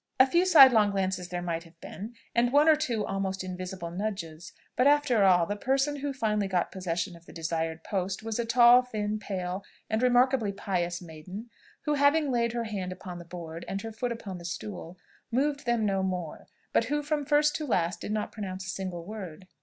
A few sidelong glances there might have been, and one or two almost invisible nudges; but after all, the person who finally got possession of the desired post, was a tall, thin, pale, and remarkably pious maiden, who having laid her hand upon the board, and her foot upon the stool, moved them no more, but who from first to last did not pronounce a single word.